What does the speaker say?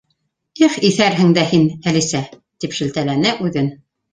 —Их, иҫәрһең дә һин, Әлисә! —тип шелтәләне үҙен.